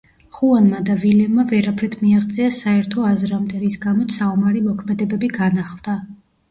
ხუანმა და ვილემმა ვერაფრით მიაღწიეს საერთო აზრამდე, რის გამოც საომარი მოქმედებები განახლდა.